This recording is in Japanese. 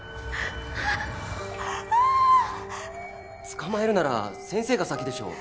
捕まえるなら先生が先でしょう。